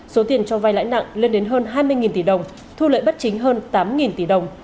số tiền cho vai lãi nặng lên đến hơn hai mươi tỷ đồng thu lợi bất chính hơn tám tỷ đồng